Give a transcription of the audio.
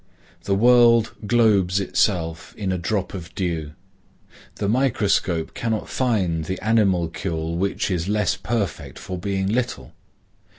The world globes itself in a drop of dew. The microscope cannot find the animalcule which is less perfect for being little.